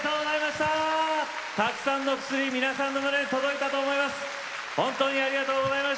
たくさんの薬皆さんの胸に届いたと思います。